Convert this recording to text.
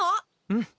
うん。